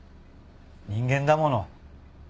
人間だもの。